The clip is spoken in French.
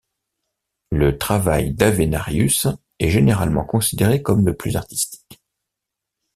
Le travail d'Avenarius est généralement considéré comme le plus artistique.